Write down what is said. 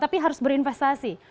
tapi harus berinvestasi